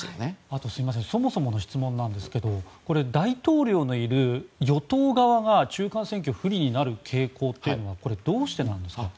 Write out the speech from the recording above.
あと、そもそもの質問なんですけど大統領のいる与党側が中間選挙不利になる傾向というのはどうしてなんですか？